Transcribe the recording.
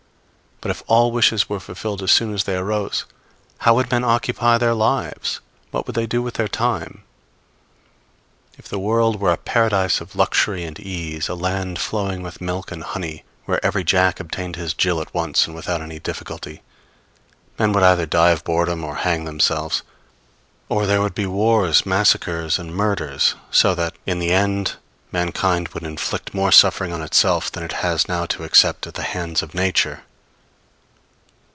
But if all wishes were fulfilled as soon as they arose, how would men occupy their lives? what would they do with their time? If the world were a paradise of luxury and ease, a land flowing with milk and honey, where every Jack obtained his Jill at once and without any difficulty, men would either die of boredom or hang themselves; or there would be wars, massacres, and murders; so that in the end mankind would inflict more suffering on itself than it has now to accept at the hands of Nature.